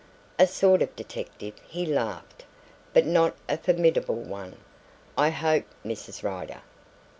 "A sort of detective," he laughed, "but not a formidable one, I hope, Mrs. Rider."